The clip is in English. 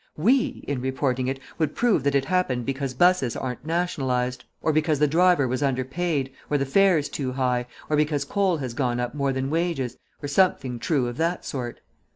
We, in reporting it, would prove that it happened because buses aren't nationalised, or because the driver was underpaid, or the fares too high, or because coal has gone up more than wages, or something true of that sort.